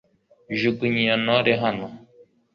Jugunya iyo ntore hano